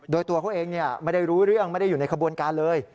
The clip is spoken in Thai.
โดยตัวเขาเองไม่ได้รู้เรื่องไม่ได้อยู่ในขบวนการเลย